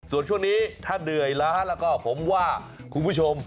ส่วนช่วงนี้ถ้าเหนื่อยล้าแล้วก็ผมว่าคุณผู้ชม